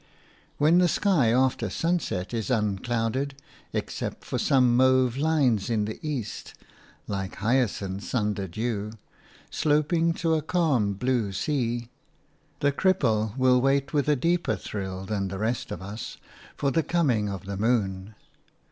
When the sky after sunset is unclouded, except for some mauve lines in the east – like hyacinths under dew, sloping to a calm, blue sea – the cripple will wait with a deeper thrill than the rest of us for the coming of the moon.